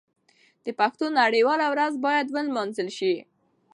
د پښتو نړیواله ورځ باید ونمانځل شي.